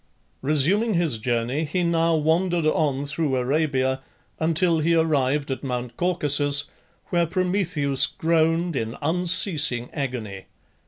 Resuming his journey he now wandered on through Arabia until he arrived at Mount Caucasus, where Prometheus groaned in unceasing agony.